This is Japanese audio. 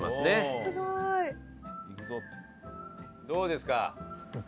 どうですか？